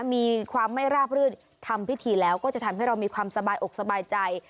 มีความไม่ราบรื่นทำพิธีแล้วก็จะทำให้เรามีความสบายอกสบายใจ